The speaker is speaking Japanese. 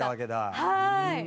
はい。